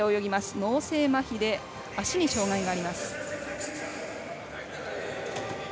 脳性まひで足に障がいがあります。